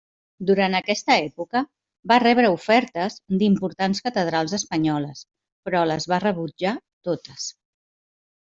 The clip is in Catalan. Durant aquesta època, va rebre ofertes d'importants catedrals espanyoles, però les va rebutjar totes.